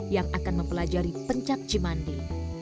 yang akan mempelajari pencak cimandi